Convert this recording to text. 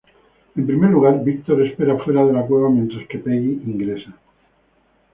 En primer lugar, Víctor espera fuera de la cueva mientras que Peggy ingresa.